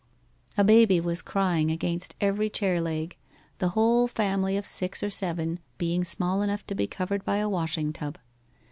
A baby was crying against every chair leg, the whole family of six or seven being small enough to be covered by a washing tub.